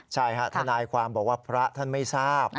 ใช่ค่ะทนายความบอกว่าพระท่านไม่ทราบ